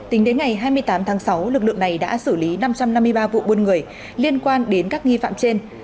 tính đến ngày hai mươi tám tháng sáu lực lượng này đã xử lý năm trăm năm mươi ba vụ buôn người liên quan đến các nghi phạm trên